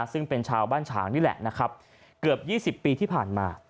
ซึ่งเป็นชาวบ้านฉางนี่แหละนะครับเกือบ๒๐ปีที่ผ่านมา